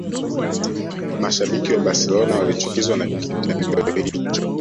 Mashabiki wa Barcelona walichukizwa na kitendo hicho